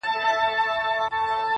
خدای زموږ معبود دی او رسول مو دی رهبر